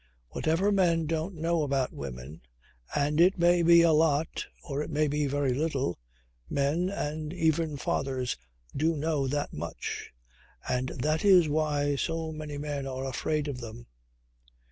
Whatever men don't know about women (and it may be a lot or it may be very little) men and even fathers do know that much. And that is why so many men are afraid of them.